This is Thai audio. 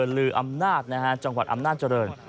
หรืออํนาดนะฮะจังหวัดอำนาจริง